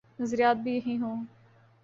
نظریات بھی یہی ہوں۔